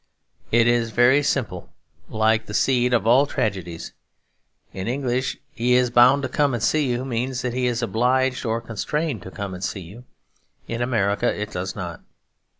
It is very simple; like the seed of all tragedies. In English 'he is bound to come and see you' means that he is obliged or constrained to come and see you. In American it does not.